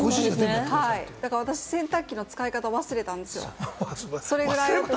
私、洗濯機の使い方忘れたんですよ。